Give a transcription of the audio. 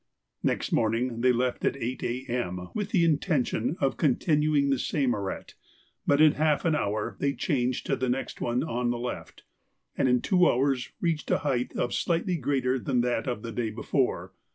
Next morning they left at 8 A.M., with the intention of continuing the same arête, but in half an hour they changed to the next one on the left, and in two hours reached a height slightly greater than that of the day before.